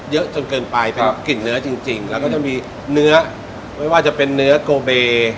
เยอะจนเกินไปเป็นกลิ่นเนื้อจริงแล้วก็จะมีเนื้อไม่ว่าจะเป็นเนื้อโกเบ